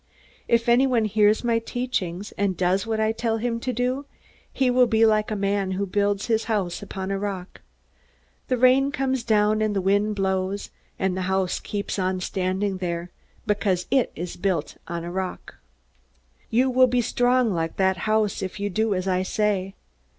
"If anyone hears my teachings, and does what I tell him to do, he will be like a man who builds his house upon a rock. The rain comes down and the wind blows, and the house keeps on standing there, because it is built upon a rock. You will be strong like that house, if you do as I say.